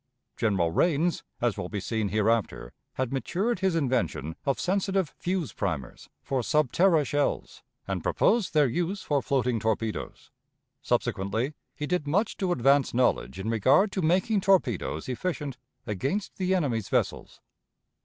General Rains, as will be seen hereafter, had matured his invention of sensitive fuse primers for sub terra shells, and proposed their use for floating torpedoes. Subsequently he did much to advance knowledge in regard to making torpedoes efficient against the enemy's vessels.